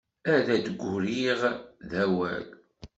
Ad d-griɣ d awal.